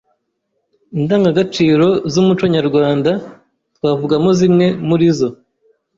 Indanga gaciro z’umuco nyarwanda. Twavugamo zimwe muri zo: